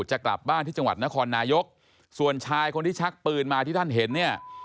จะกลับบ้านที่จังหวัดนครนายกส่วนชายคนที่ชักปืนมาที่ท่านเห็นเนี่ย